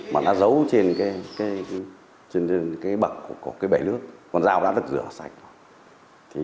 mà đã giấu trên bậc của bể nước con dao đã được rửa sạch